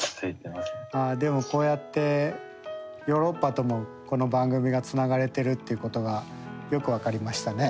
でもこうやってヨーロッパともこの番組がつながれてるっていうことがよく分かりましたね。